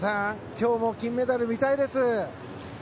今日も金メダル、見たいです。